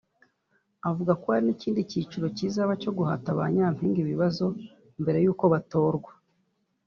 Avuga ko hari n’ikindi cyiciro kizaba cyo guhata ba nyampinga ibibazo mbere y’uko batorwa